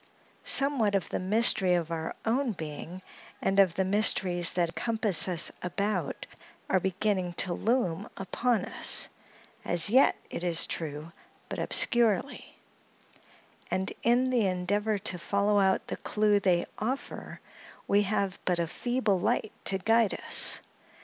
Somewhat of the mystery of our own being, and of the mysteries that compass us about, are beginning to loom upon us—as yet, it is true, but obscurely; and, in the endeavor to follow out the clew they offer, we have but a feeble light to guide us.